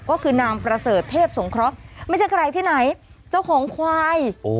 ก็คือนางประเสริฐเทพสงเคราะห์ไม่ใช่ใครที่ไหนเจ้าของควาย